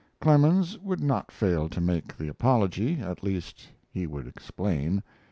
Clemens would not fail to make the apology at least he would explain.